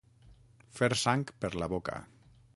Fer sang per la boca.